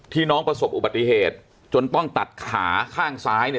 น้องประสบอุบัติเหตุจนต้องตัดขาข้างซ้ายเนี่ย